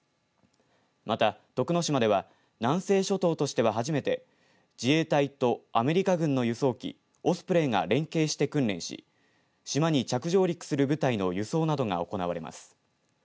また徳之島では南西諸島としては初めて自衛隊とアメリカ軍の輸送機オスプレイが連携して訓練し島に着上陸する部隊の輸送などが行われます。